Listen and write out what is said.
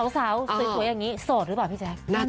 สาวสวยอย่างนี้โสดหรือเปล่าพี่แจ๊ค